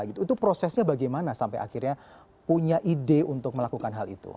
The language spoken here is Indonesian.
itu prosesnya bagaimana sampai akhirnya punya ide untuk melakukan hal itu